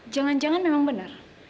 jangan jangan memang benar